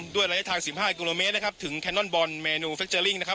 ด้วยระยะทาง๑๕กิโลเมตรนะครับถึงแคนนอนบอลเมนูเฟคเจอร์ลิ่งนะครับ